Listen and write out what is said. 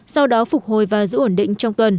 sau đó phục hồi và giữ ổn định